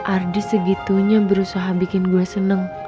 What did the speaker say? ardi segitunya berusaha bikin gue seneng